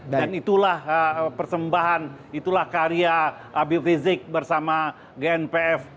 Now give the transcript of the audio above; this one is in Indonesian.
dan itulah persembahan itulah karya abiy rizik bersama gnpf yang untuk bangsa ini